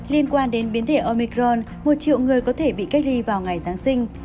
liên quan đến biến thể omicron một triệu người có thể bị cách ly vào ngày giáng sinh